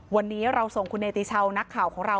วันนี้เราส่งคุณเนติชาวนักข่าวของเรา